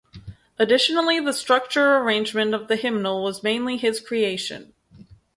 Additionally the structure or arrangement of the hymnal was mainly his creation.